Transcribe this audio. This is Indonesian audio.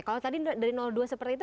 kalau tadi dari dua seperti itu